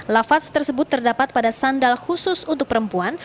lafaz tersebut terdapat pada sandal khusus untuk perempuan